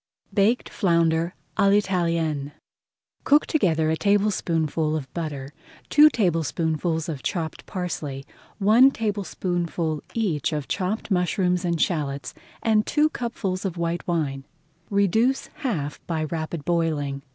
BAKED FLOUNDER À L'ITALIENNE Cook together a tablespoonful of butter, two tablespoonfuls of chopped parsley, one tablespoonful each of chopped mushrooms and shallots, and two cupfuls of white wine. [Page 138] Reduce half by rapid boiling.